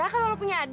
aku tuh pacar